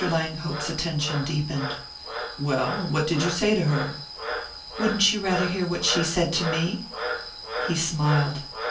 Langhope's attention deepened. "Well, what did you say to her?" "Wouldn't you rather hear what she said to me?" He smiled.